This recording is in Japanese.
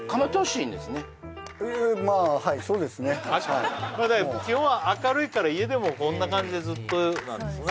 はい基本は明るいから家でもこんな感じでずっとなんですね